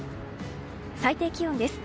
最低気温です。